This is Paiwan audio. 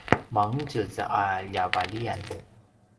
mangetjez a ljavaliyan